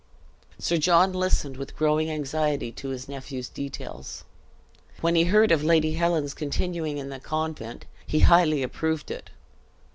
Sir John listened with growing anxiety to his nephew's details. When he heard of Lady Helen's continuing in the convent, he highly approved it.